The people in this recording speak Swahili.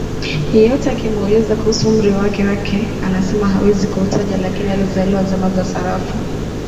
Yeyote akimuuliza kuhusu umri wake wake anasema hawezi kuutaja lakini alizaliwa zama za sarafu